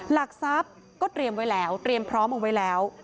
หลักทรัพย์ก็เตรียมไว้แล้วเตรียมพร้อมเอาไว้แล้ว